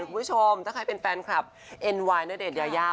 คุณผู้ชมถ้าใครเป็นแฟนคลับเอ็นไวน์ณเดชนยายา